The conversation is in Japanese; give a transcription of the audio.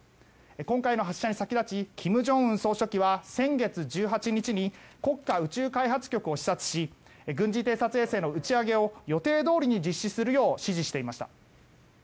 今回の発射に先立ち金正恩総書記は先月１８日に国家宇宙開発局を視察し軍事偵察衛星の打ち上げを予定どおりに実施するよう指示していました。